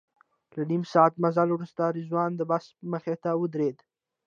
له نیم ساعت مزل وروسته رضوان د بس مخې ته ودرېد.